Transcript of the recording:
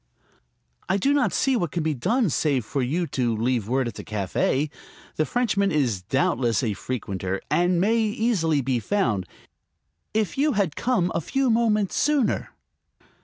"I do not see what can be done save for you to leave word at the café. The Frenchman is doubtless a frequenter, and may easily be found. If you had come a few moments sooner...."